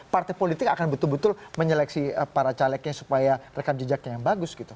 partai politik akan betul betul menyeleksi para calegnya supaya rekam jejaknya yang bagus gitu